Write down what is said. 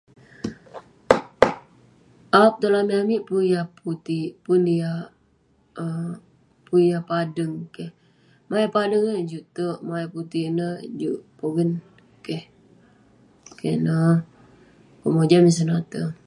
Aap tong langit amik pun yah putik, pun yah um pun yah padeng. Keh. Maok eh padeng ineh, juk te'erk. Maok eh putik ineh juk-